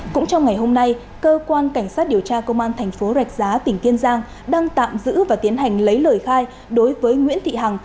cũng trong ngày hôm nay cơ quan cảnh sát điều tra công an thành phố rạch giá tỉnh kiên giang đang tạm giữ và tiến hành lấy lời khai đối với nguyễn thị hằng